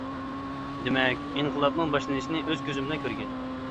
دېمەك، ئىنقىلابنىڭ باشلىنىشىنى ئۆز كۆزۈم بىلەن كۆرگەن.